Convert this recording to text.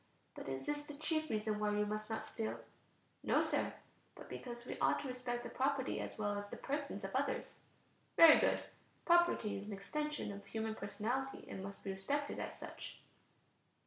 But is this the chief reason why we must not steal? No, Sir, but because we ought to respect the property as well as the persons of others. Very good. Property is an extension of human personality and must be respected as such.